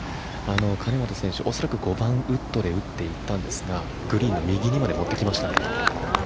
兼本選手、恐らく５番ウッドで打っていったんですがグリーンの右にまで持ってきました。